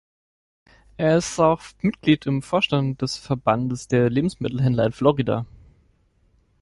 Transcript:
Er ist auch Mitglied im Vorstand des Verbandes der Lebensmittelhändler in Florida.